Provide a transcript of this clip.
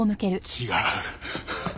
違う！！